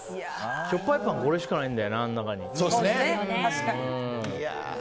しょっぱいパンあれしかないんだよね。